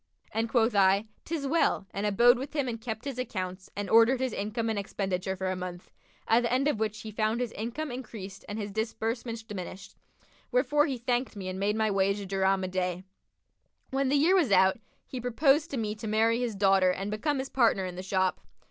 and quoth I, ''Tis well,' and abode with him and kept his accounts and ordered his income and expenditure for a month, at the end of which he found his income increased and his disbursements diminished; wherefore he thanked me and made my wage a dirham a day. When the year was out, he proposed to me to marry his daughter and become his partner in the shop.